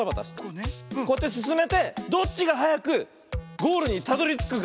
こうやってすすめてどっちがはやくゴールにたどりつくか。